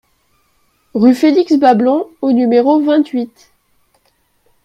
Rue Félix Bablon au numéro vingt-huit